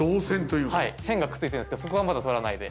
はい線がくっついてるんですけどそこはまだ触らないで。